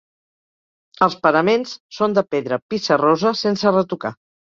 Els paraments són de pedra pissarrosa sense retocar.